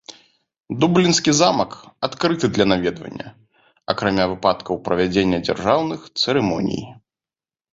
Дублінскі замак адкрыты для наведвання, акрамя выпадкаў правядзення дзяржаўных цырымоній.